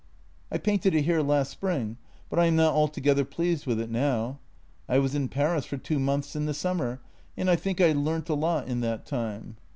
" I painted it here last spring, but I am not altogether pleased with it now. I was in Paris for two months in the summer, and I think I leamt a lot in that time.